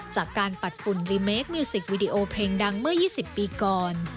ปัดปุ่นดีเมคนิวสิกวิดีโอเพลงดังเมื่อ๒๐ปีก่อน